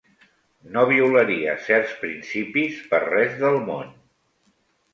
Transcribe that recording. No violaria certs principis per res del món.